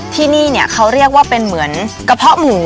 ที่นี่เนี่ยเขาเรียกว่าเป็นเหมือนกระเพาะหมู